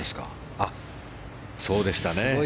そうでしたね。